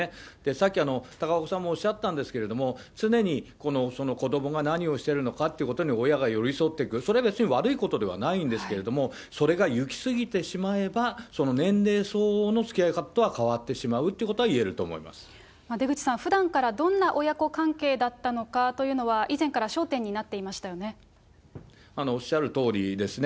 さっき、高岡さんもおっしゃったんですけれども、常にその子どもが何をしているのかっていうことに親が寄り添っていく、それが悪いことではないんですけれども、それが行き過ぎてしまえば、その年齢相応のつきあい方とは変わってしまうということはいえる出口さん、ふだんからどんな親子関係だったのかというのは、以前から焦点になっていましたよおっしゃるとおりですね。